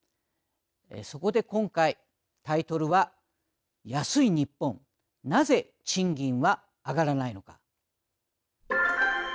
そこで今回、タイトルは「安いニッポンなぜ賃金は上がらないのか」